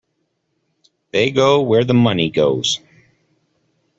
They go where the money goes.